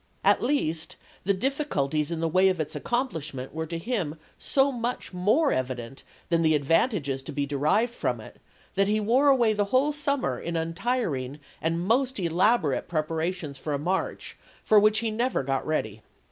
At least, the difficulties in the way of its accomplishment were to him so much more evident than the advan tages to be derived from it, that he wore away the whole summer in untiring and most elaborate preparations for a march for which he never got ready.